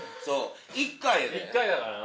１回だからな。